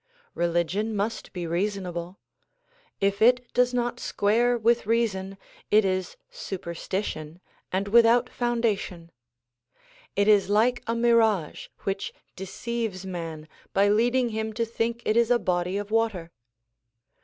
Religion must be reasonable. If it does not square with reason it is super stition and without foundation. It is like a mirage which deceives man by leading him to think it is a body of water.